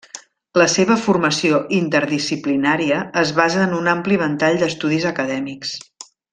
La seva formació interdisciplinària es basa en un ampli ventall d'estudis acadèmics.